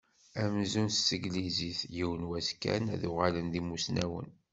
Amzun s teglizit, yiwen wass kan ad uɣalen d imusnawen.